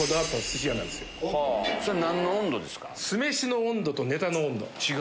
それは何の温度ですか？